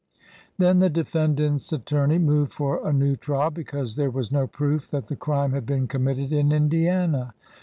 Then the defendant's at torney moved for a new trial because there was no proof that the crime had been committed in Indiana.